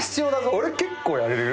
俺結構やれるよ。